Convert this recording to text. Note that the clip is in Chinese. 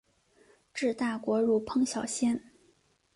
治大国如烹小鲜。